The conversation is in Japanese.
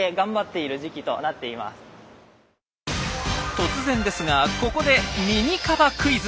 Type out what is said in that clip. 突然ですがここでミニカバクイズ！